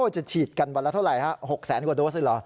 จะฉีดกันวันแล้วเท่าไรหกแสนกว่าโดสหรือหรือ